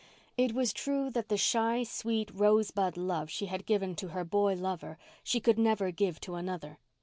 It was true that the shy, sweet, rosebud love she had given to her boy lover she could never give to another.